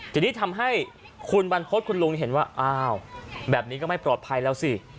ทีนี้ทำให้คุณบรรพฤษคุณลุงเห็นว่าอ้าวแบบนี้ก็ไม่ปลอดภัยแล้วสิ